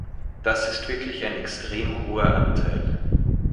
Dass ist wirklich ein extrem hoher Anteil!